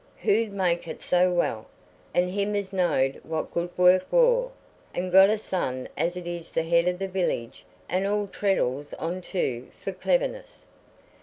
Who'd make it so well? An' him as know'd what good work war, an's got a son as is the head o' the village an' all Treddles'on too, for cleverness."